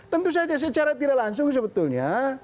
tentu saja secara tidak langsung sebetulnya